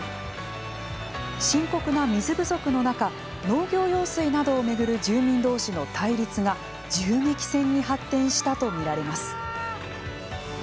深刻な水不足の中農業用水などを巡る住民どうしの対立が銃撃戦に発展したとみられます。